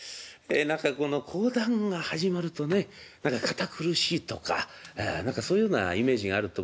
何かこの講談が始まるとね何か堅苦しいとかそういうようなイメージがあると思うんですけど。